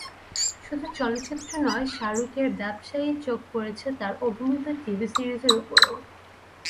শুধু চলচ্চিত্র নয়, শাহরুখের ব্যবসায়ী চোখ পড়েছে তাঁর অভিনীত টিভি সিরিজের ওপরও।